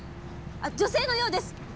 女性のようです。